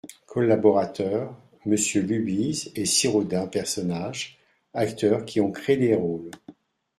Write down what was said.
COLLABORATEURS : MMonsieur LUBIZE ET SIRAUDIN PERSONNAGES Acteurs, qui ont créé les rôles.